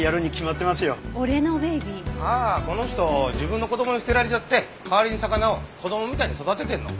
ああこの人自分の子供に捨てられちゃって代わりに魚を子供みたいに育ててるの。